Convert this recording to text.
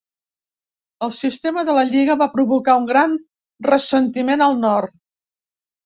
El sistema de la lliga va provocar un gran ressentiment al nord.